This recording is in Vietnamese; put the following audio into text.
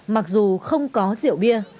mặc dù không có rượu bia